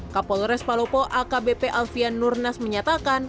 kapolres palopo akbp alfian nurnas menyatakan